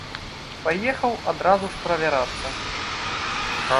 Паехаў адразу ж правярацца.